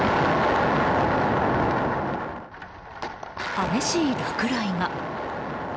激しい落雷が。